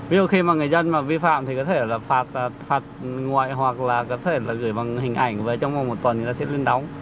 ví dụ khi mà người dân mà vi phạm thì có thể là phạt ngoại hoặc là có thể là gửi bằng hình ảnh về trong một tuần thì nó sẽ lên đóng